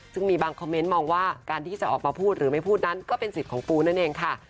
ซึ่งมีบางคอมเมนต์มองว่าการที่จะออกมาพูดหรือไม่พูดนั้นก็เป็นสิทธิ์ของปูนั่นเองค่ะ